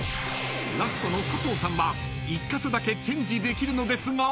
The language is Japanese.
［ラストの佐藤さんは１カ所だけチェンジできるのですが］